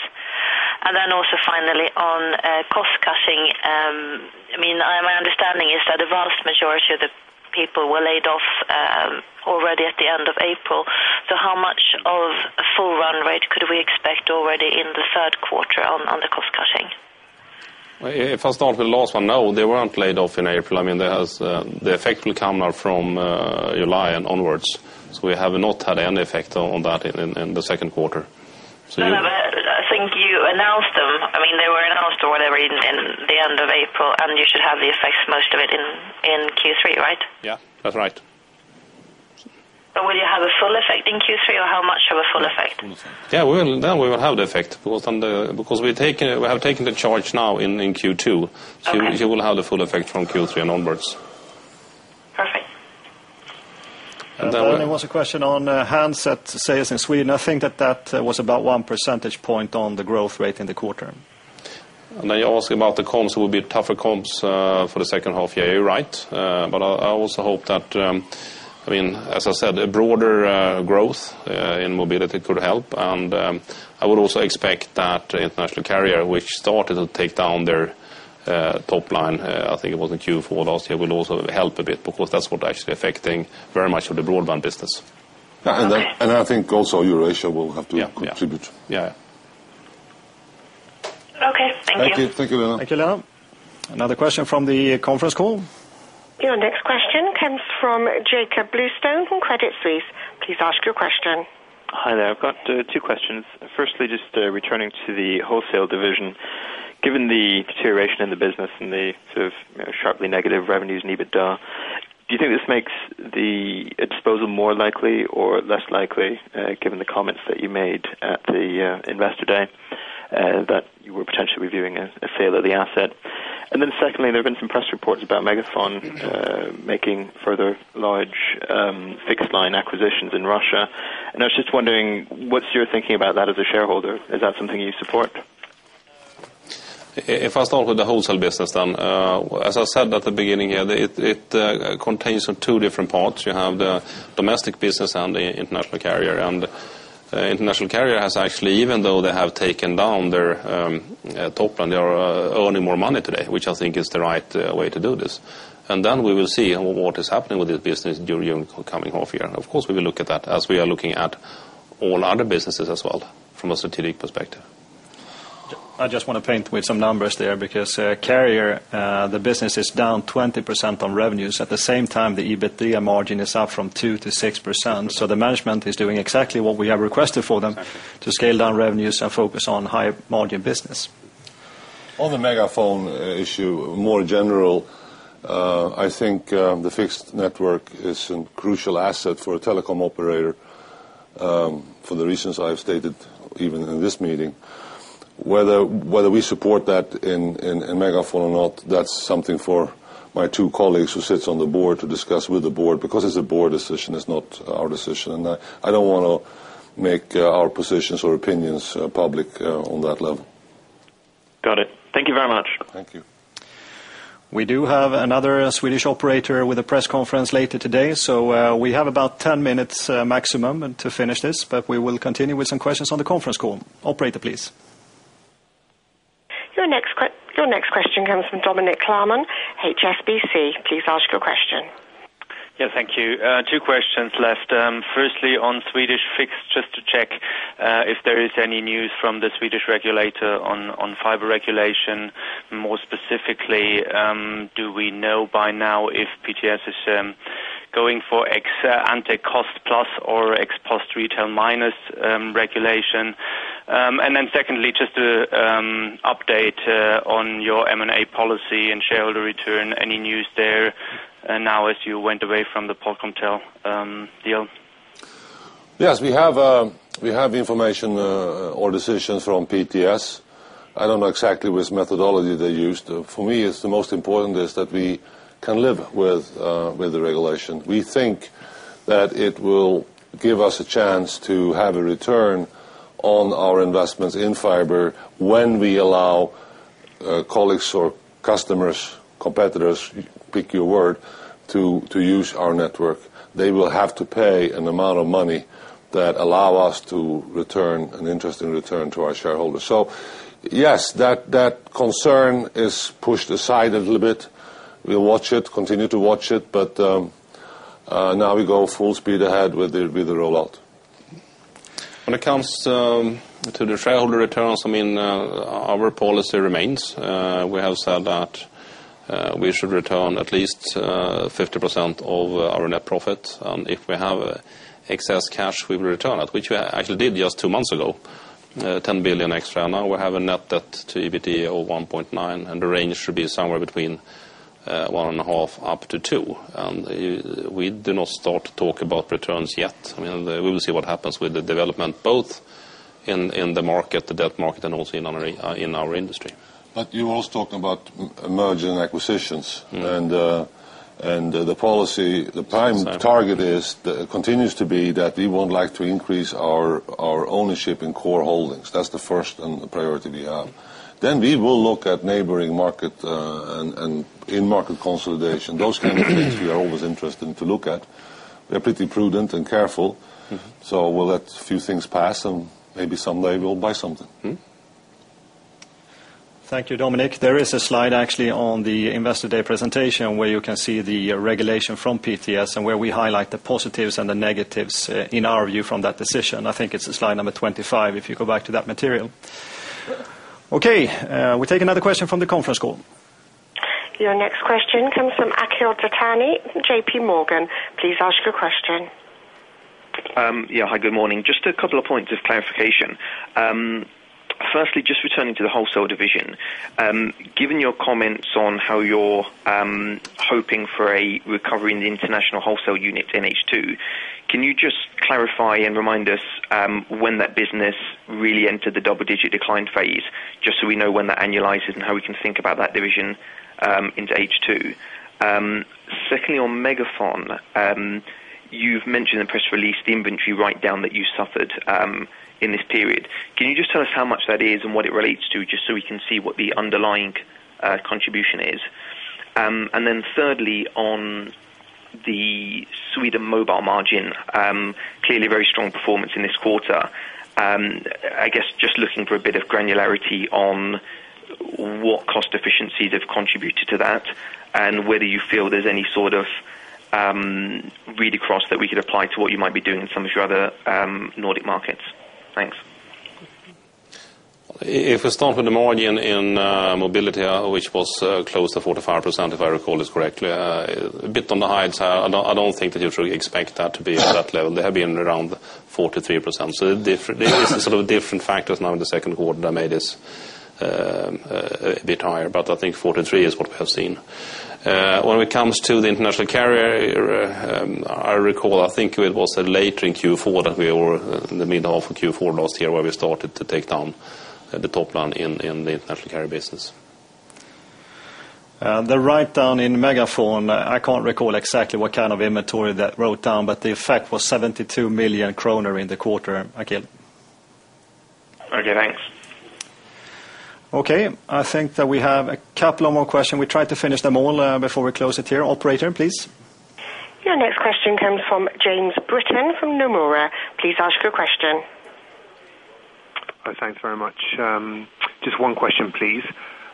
Finally, on cost cutting, my understanding is that a vast majority of the people were laid off already at the end of April. How much of a full run rate could we expect already in the third quarter on the cost cutting? If I start with the last one, no, they weren't laid off in April. I mean, the effect will come from July and onwards. We have not had any effect on that in the second quarter. I think you announced them. I mean, they were announced or whatever in the end of April. You should have the effects, most of it, in Q3, right? Yeah, that's right. Will you have a full effect in Q3, or how much of a full effect? Yeah, you will have the effect because we have taken the charge now in Q2. You will have the full effect from Q3 and onwards. Perfect. There was a question on handset sales in Sweden. I think that was about 1% on the growth rate in the quarter. You asked about the comps. It will be tougher comps for the second half of the year, right? I also hope that, as I said, a broader growth in mobility could help. I would also expect that international carrier, which started to take down their top line, I think it was in Q4 last year, will also help a bit, because that's what's actually affecting very much of the broadband business. I think Eurasia will have to contribute. Yeah, yeah. OK. Thank you. Thank you. Thank you, Lena. Thank you, Lena. Another question from the conference call. Your next question comes from Jacob Bluestone from Credit Suisse. Please ask your question. Hi there. I've got two questions. Firstly, just returning to the wholesale division. Given the deterioration in the business and the sort of sharply negative revenues in EBITDA, do you think this makes the disposal more likely or less likely, given the comments that you made at the Investor Day, that you were potentially reviewing a sale of the asset? Secondly, there have been some press reports about MegaFon making further large fixed-line acquisitions in Russia. I was just wondering, what's your thinking about that as a shareholder? Is that something you support? If I start with the wholesale business, as I said at the beginning here, it contains two different parts. You have the domestic business and the international carrier. The international carrier has actually, even though they have taken down their top line, they are earning more money today, which I think is the right way to do this. We will see what is happening with this business during the coming half year. Of course, we will look at that as we are looking at all other businesses as well from a strategic perspective. I just want to paint with some numbers there, because the carrier, the business is down 20% on revenues. At the same time, the EBITDA margin is up from 2%-6%. The management is doing exactly what we have requested for them to scale down revenues and focus on higher margin business. On the MegaFon issue, more general, I think the fixed network is a crucial asset for a telecom operator for the reasons I have stated even in this meeting. Whether we support that in MegaFon or not, that's something for my two colleagues who sit on the board to discuss with the board, because it's a board decision. It's not our decision. I don't want to make our positions or opinions public on that level. Got it. Thank you very much. Thank you. We do have another Swedish operator with a press conference later today. We have about 10 minutes maximum to finish this. We will continue with some questions on the conference call. Operator, please. Your next question comes from Dominik Klarmann, HSBC. Please ask your question. Yeah, thank you. Two questions left. Firstly, on Swedish fixed, just to check if there is any news from the Swedish regulator on fiber regulation. More specifically, do we know by now if PTS is going for ex ante cost plus or ex post retail minus regulation? Secondly, just to update on your M&A policy and shareholder return, any news there now as you went away from the Polkomtel deal? Yes, we have information or decisions from PTS. I don't know exactly which methodology they used. For me, the most important is that we can live with the regulation. We think that it will give us a chance to have a return on our investments in fiber when we allow colleagues or customers, competitors, pick your word, to use our network. They will have to pay an amount of money that allows us to return an interesting return to our shareholders. That concern is pushed aside a little bit. We'll watch it, continue to watch it. Now we go full speed ahead with the rollout. When it comes to the shareholder returns, I mean, our policy remains. We have said that we should return at least 50% of our net profit. If we have excess cash, we will return that, which we actually did just two months ago, 10 billion extra. Now we have a net debt to EBITDA of 1.9, and the range should be somewhere between 1.5 up to 2. We do not start to talk about returns yet. I mean, we will see what happens with the development, both in the market, the debt market, and also in our industry. You also talk about Merger and Acquisitions. The policy, the prime target continues to be that we would like to increase our ownership in core holdings. That's the first priority we have. We will look at neighboring market and in-market consolidation. Those candidates we are always interested to look at. We are pretty prudent and careful. We'll let a few things pass. Maybe someday we'll buy something. Thank you, Dominic. There is a slide actually on the Investor Day presentation where you can see the regulation from PTS and where we highlight the positives and the negatives in our view from that decision. I think it's slide number 25 if you go back to that material. OK, we take another question from the conference call. Your next question comes from Akhil Dattani, JPMorgan. Please ask your question. Yeah, hi. Good morning. Just a couple of points of clarification. Firstly, just returning to the wholesale division. Given your comments on how you're hoping for a recovery in the international wholesale unit in H2, can you just clarify and remind us when that business really entered the double-digit decline phase, just so we know when that annualizes and how we can think about that division into H2? Secondly, on MegaFon, you've mentioned in the press release the inventory write-down that you suffered in this period. Can you just tell us how much that is and what it relates to, just so we can see what the underlying contribution is? Thirdly, on the Sweden mobile margin, clearly very strong performance in this quarter. I guess just looking for a bit of granularity on what cost efficiencies have contributed to that and whether you feel there's any sort of read across that we could apply to what you might be doing in some of your other Nordic markets. Thanks. If we start with the margin in mobility, which was close to 45%, if I recall this correctly, a bit on the high side. I don't think that you should expect that to be at that level. They have been around 43%. It's sort of different factors now in the second quarter that made this a bit higher. I think 43% is what we have seen. When it comes to the international carrier, I recall I think it was later in Q4 that we were in the middle of Q4 last year where we started to take down the top line in the international carrier business. The write-down in MegaFon, I can't recall exactly what kind of inventory that wrote down, but the effect was 72 million kronor in the quarter, Akhil. OK, thanks. OK. I think that we have a couple of more questions. We try to finish them all before we close it here. Operator, please. Your next question comes from James Britton from Nomura. Please ask your question. Thanks very much. Just one question, please.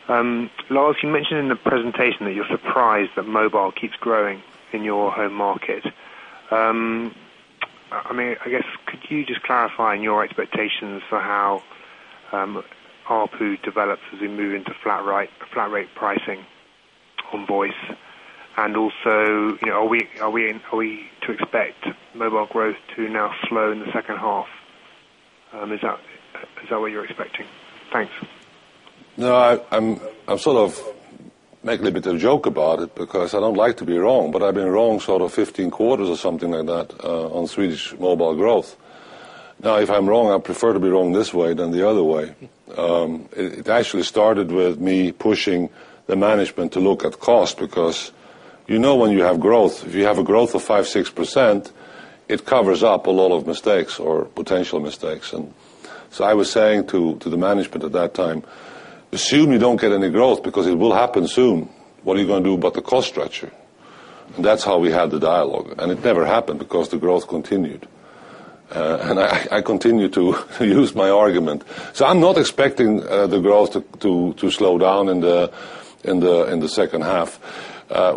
Lars, you mentioned in the presentation that you're surprised that mobile keeps growing in your home market. I mean, I guess could you just clarify in your expectations for how ARPU develops as we move into flat-rate pricing on voice? Also, are we to expect mobile growth to now slow in the second half? Is that what you're expecting? Thanks. No, I'm sort of making a bit of a joke about it because I don't like to be wrong. I've been wrong sort of 15 quarters or something like that on Swedish mobile growth. If I'm wrong, I prefer to be wrong this way than the other way. It actually started with me pushing the management to look at cost because you know when you have growth, if you have a growth of 5%, 6%, it covers up a lot of mistakes or potential mistakes. I was saying to the management at that time, assume you don't get any growth because it will happen soon. What are you going to do about the cost structure? That's how we had the dialogue. It never happened because the growth continued. I continue to use my argument. I'm not expecting the growth to slow down in the second half.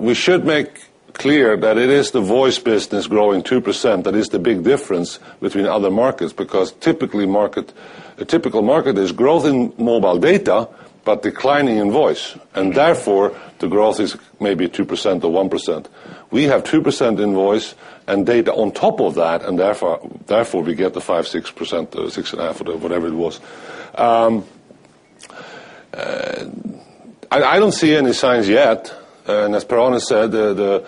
We should make clear that it is the voice business growing 2% that is the big difference between other markets because typically a typical market is growth in mobile data but declining in voice. Therefore, the growth is maybe 2% or 1%. We have 2% in voice and data on top of that. Therefore, we get the 5%, 6%, 6.5%, or whatever it was. I don't see any signs yet. As Per-Arne said, the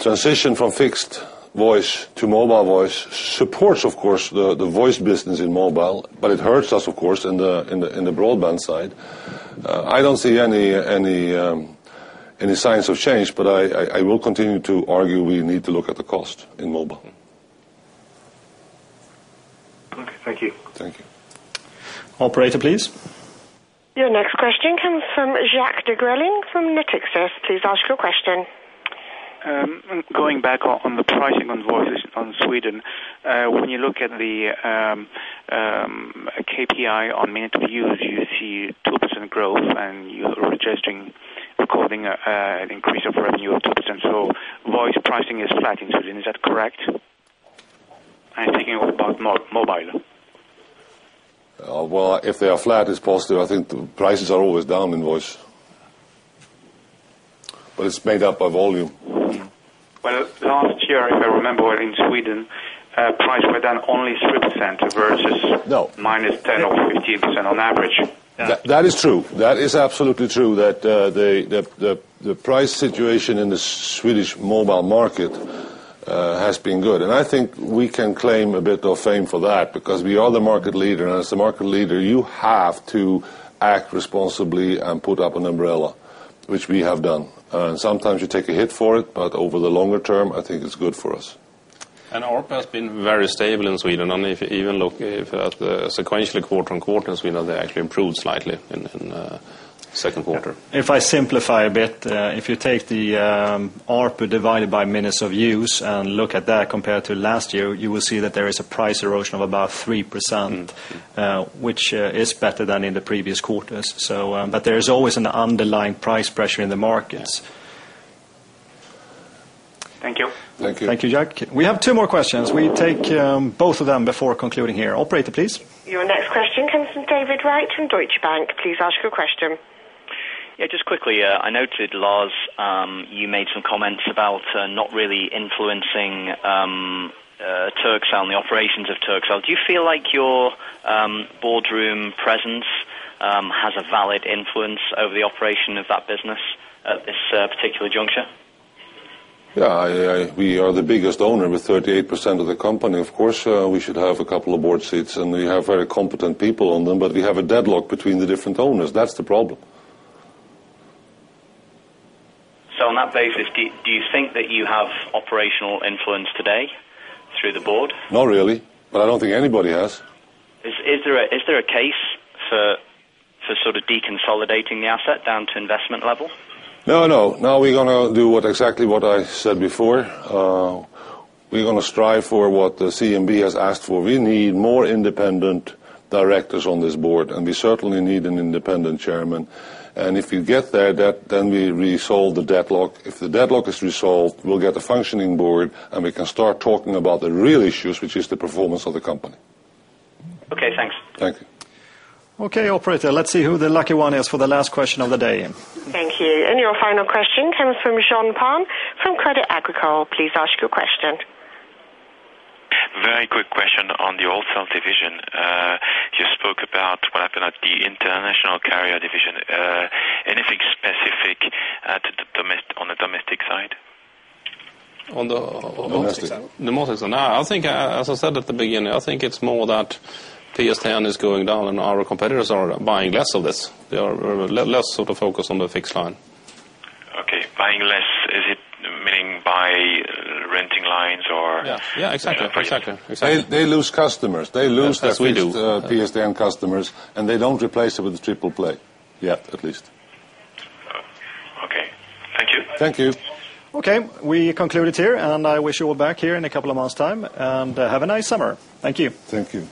transition from fixed voice to mobile voice supports, of course, the voice business in mobile. It hurts us, of course, in the broadband side. I don't see any signs of change. I will continue to argue we need to look at the cost in mobile. OK, thank you. Thank you. Operator, please. Your next question comes from Jacques de Greling from Natixis. Please ask your question. Going back on the pricing on voice in Sweden, when you look at the KPI on minute view, you see 2% growth, and you are registering according to an increase of revenue of 2%. Voice pricing is flat in Sweden. Is that correct? Thinking about mobile. If they are flat, it's positive. I think prices are always down in voice, but it's made up by volume. Last year, if I remember, in Sweden, prices were down only 3% versus -10% or 15% on average. That is true. That is absolutely true that the price situation in the Swedish mobile market has been good. I think we can claim a bit of fame for that because we are the market leader. As the market leader, you have to act responsibly and put up an umbrella, which we have done. Sometimes you take a hit for it, but over the longer term, I think it's good for us. ARPU has been very stable in Sweden. If you even look at sequentially quarter on quarter in Sweden, they actually improved slightly in the second quarter. If I simplify a bit, if you take the ARPU divided by minutes of use and look at that compared to last year, you will see that there is a price erosion of about 3%, which is better than in the previous quarters. There is always an underlying price pressure in the markets. Thank you. Thank you. Thank you, Jacques. We have two more questions. We take both of them before concluding here. Operator, please. Your next question comes from David Wright from Deutsche Bank. Please ask your question. Yeah, just quickly, I noted, Lars, you made some comments about not really influencing Turkcell and the operations of Turkcell. Do you feel like your boardroom presence has a valid influence over the operation of that business at this particular juncture? Yeah, we are the biggest owner with 38% of the company. Of course, we should have a couple of board seats. We have very competent people on them, but we have a deadlock between the different owners. That's the problem. Do you think that you have operational influence today through the board? Not really. I don't think anybody has. Is there a case for sort of deconsolidating the asset down to investment level? No, no. Now we're going to do exactly what I said before. We're going to strive for what the CMB has asked for. We need more independent directors on this board. We certainly need an independent chairman. If you get there, we resolve the deadlock. If the deadlock is resolved, we'll get a functioning board, and we can start talking about the real issues, which is the performance of the company. OK. Thanks. Thank you. OK, operator. Let's see who the lucky one is for the last question of the day. Thank you. Your final question comes from [Michonne Parn] from Crédit Agricole. Please ask your question. Very quick question on the wholesale division. You spoke about what happened at the international carrier division. Anything specific on the domestic side? On the domestic side? Domestic side. I think, as I said at the beginning, I think it's more that PS10 is going down, and our competitors are buying less of this. They are less sort of focused on the fixed-line. OK. Buying less, is it meaning by renting lines, or? Yeah, exactly. They lose customers. They lose the Swedish PSTN customers, and they don't replace it with the triple play yet, at least. OK. Thank you. Thank you. OK, we conclude it here. I wish you all back here in a couple of months' time. Have a nice summer. Thank you. Thank you.